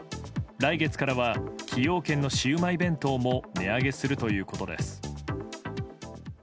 来月からは崎陽軒のシウマイ弁当も値上げするということです。